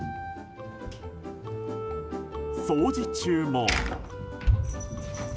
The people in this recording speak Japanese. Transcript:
掃除中も。